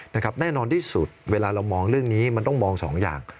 แน่นอนที่สุดเวลาเรามองเรื่องนี้มันต้องมองสองอย่าง